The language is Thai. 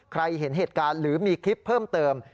เห็นเหตุการณ์หรือมีคลิปเพิ่มเติม